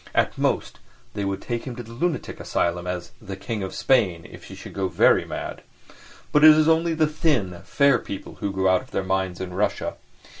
At most, they would take him to the lunatic asylum as "the King of Spain" if he should go very mad. But it is only the thin, fair people who go out of their minds in Russia.